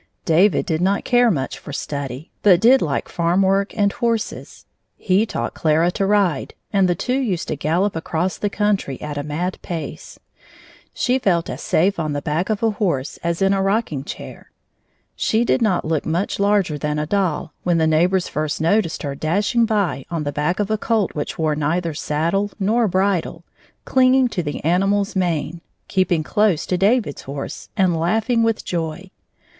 David did not care much for study, but did like farm work and horses. He taught Clara to ride, and the two used to gallop across the country at a mad pace. She felt as safe on the back of a horse as in a rocking chair. She did not look much larger than a doll when the neighbors first noticed her dashing by on the back of a colt which wore neither saddle nor bridle, clinging to the animal's mane, keeping close to David's horse, and laughing with joy.